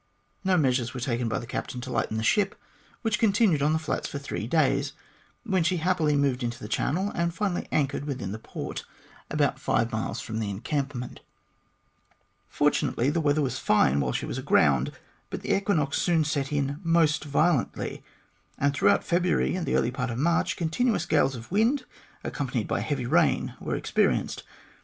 No measures were taken by the captain to lighten the ship, which continued on the flats for three days, when happily she moved into the channel, and finally anchored within the port about five miles from the encampment. Fortunately, the weather was fine while she was aground, but the equinox soon set in most violently, and throughout February and the early part of March continuous gales of wind, accompanied by heavy rain, were experienced.